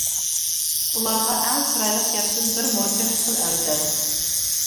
ئۇلارغا ئەڭ چىرايلىق گەپتىن بىر موچەن پۇل ئەۋزەل.